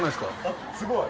あっすごい！